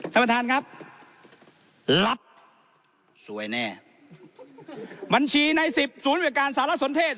ท่านประธานครับลับสวยแน่บัญชีในสิบศูนย์บริการสารสนเทศ